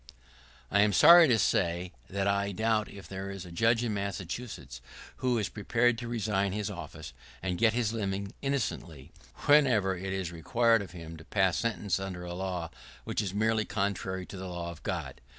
[¶33] I am sorry to say that I doubt if there is a judge in Massachusetts who is prepared to resign his office, and get his living innocently, whenever it is required of him to pass sentence under a law which is merely contrary to the law of God.